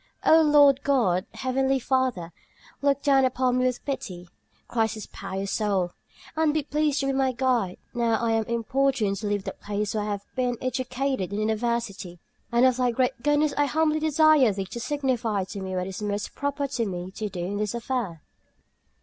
"O Lord God, Heavenly Father, look down upon me with pity," cries this pious soul, "and be pleased to be my guide, now I am importuned to leave the place where I have been educated in the university. And of Thy great goodness I humbly desire Thee to signify to me what is most proper for me to do in this affair."